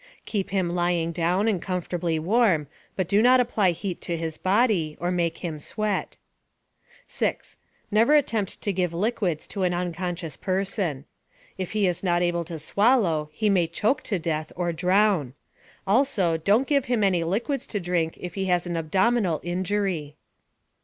_ Keep him lying down and comfortably warm, but do not apply heat to his body, or make him sweat. 6. Never attempt to give liquids to an unconscious person. If he is not able to swallow, he may choke to death or drown. Also, don't give him any liquids to drink if he has an abdominal injury.